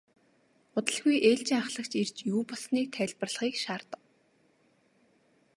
Удалгүй ээлжийн ахлагч ирж юу болсныг тайлбарлахыг шаардав.